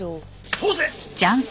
通せ！